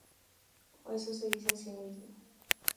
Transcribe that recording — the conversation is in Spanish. O eso se dice a sí mismo.